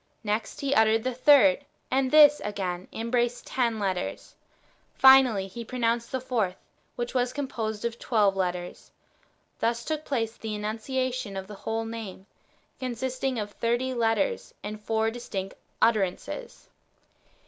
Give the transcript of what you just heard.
Next He uttered the third, and this again embraced ten letters. Finally, He pronounced the fourth, which was composed of tw^elve letters. Thus took place the enunciation of the whole name, consisting of thirty letters, and four distinct utter ances.